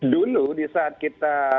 dulu di saat kita